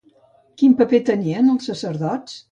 Quin paper tenien els sacerdots?